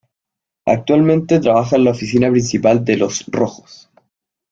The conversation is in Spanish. Actualmente trabaja en la oficina principal de los "Rojos".